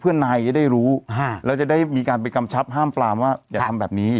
นายจะได้รู้แล้วจะได้มีการไปกำชับห้ามปลามว่าอย่าทำแบบนี้อีก